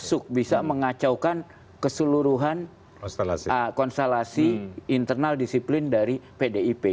untuk bisa mengacaukan keseluruhan konstelasi internal disiplin dari pdip